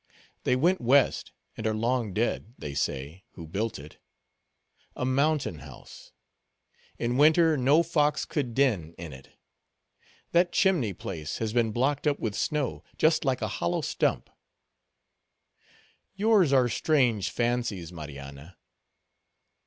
They went West, and are long dead, they say, who built it. A mountain house. In winter no fox could den in it. That chimney place has been blocked up with snow, just like a hollow stump." "Yours are strange fancies, Marianna."